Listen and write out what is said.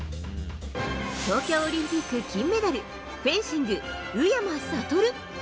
東京オリンピック金メダルフェンシング、宇山賢。